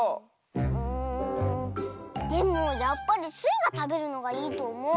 うんでもやっぱりスイがたべるのがいいとおもう。